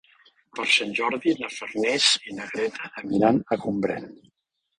Per Sant Jordi na Farners i na Greta aniran a Gombrèn.